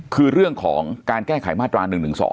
คือเรื่องของการแก้ไขมาตรา๑๑๒